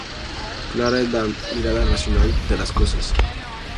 Clara es la mirada racional de las cosas.